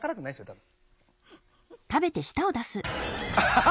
多分。